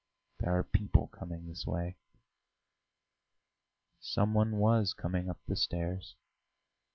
There are people coming this way!" Some one was coming up the stairs.